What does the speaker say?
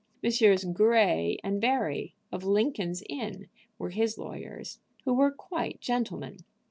Messrs. Grey & Barry, of Lincoln's Inn, were his lawyers, who were quite gentlemen.